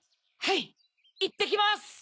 はいいってきます！